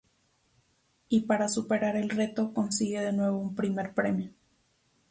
Y para superar el reto consigue de nuevo un primer premio.